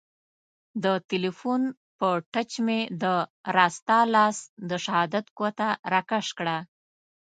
د تیلیفون په ټچ مې د راسته لاس د شهادت ګوته را کش کړه.